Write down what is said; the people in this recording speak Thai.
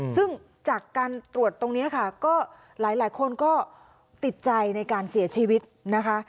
ซึ่งจากการตรวจตรงนี้ค่ะก็หลายคนก็ติดใจในการเสียชีวิตนะคะ